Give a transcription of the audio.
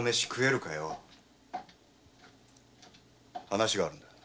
話があるんだ。